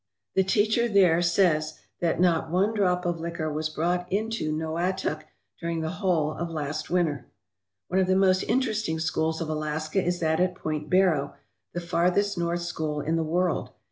The teacher there says that not one drop of liquor was brought into Noatak during the whole of last winter. One of the most interesting schools of Alaska is that at Point Barrow, the farthest north school in the world.